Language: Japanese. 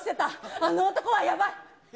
あの男はやばい。